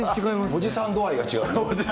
おじさん度合いが。